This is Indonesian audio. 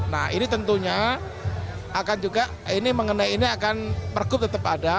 nah ini tentunya akan juga ini mengenai ini akan pergub tetap ada